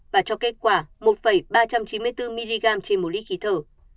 và cho kết quả một ba trăm chín mươi bốn mg trên một lít khí thở